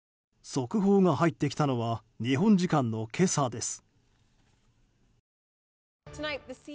速報が入ってきたのは日本時間の今朝です。